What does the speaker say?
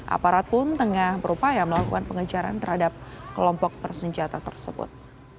aparat pun tengah berupaya melakukan pengejaran terhadap kelompok bersenjata tersebut